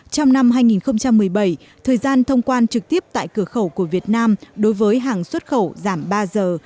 trong năm hai nghìn một mươi bảy thời gian thông quan trực tiếp tại cửa khẩu của việt nam đối với hàng xuất khẩu giảm ba giờ